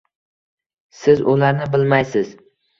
Siz ularni bilmaysiz.